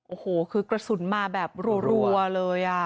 โอ้โหคือกระสุนมาแบบรัวเลย